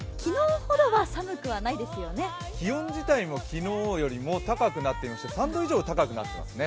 気温自体も昨日よりも高くなっていて３度以上は高くなっていますね。